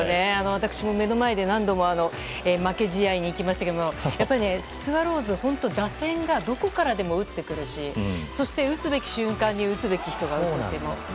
私も目の前で何度も負け試合に行きましたけどもスワローズ、本当に打線がどこからでも打ってくるしそして打つべき瞬間に打つべき人が打つと。